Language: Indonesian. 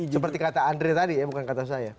seperti kata andre tadi ya bukan kata saya